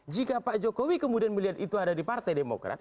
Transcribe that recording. jika pak jokowi kemudian melihat itu ada di partai demokrat